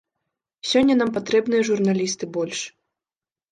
Сёння нам патрэбныя журналісты больш.